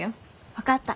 わかった。